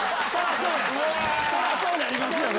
そりゃそうなりますよね。